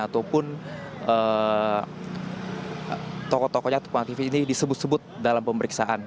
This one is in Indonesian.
ataupun tokoh tokohnya atau aktivis ini disebut sebut dalam pemeriksaan